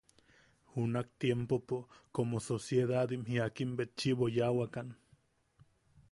Junak_tiempopo como sociedad jiakimbetchiʼibo yaawakan.